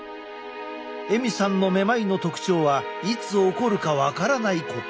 エミさんのめまいの特徴はいつ起こるか分からないこと。